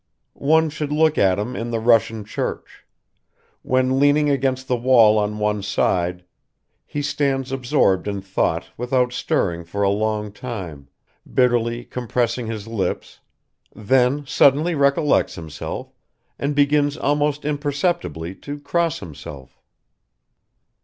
One should look at him in the Russian church: when leaning against the wall on one side, he stands absorbed in thought without stirring for a long time, bitterly compressing his lips, then suddenly recollects himself and begins almost imperceptibly to cross himself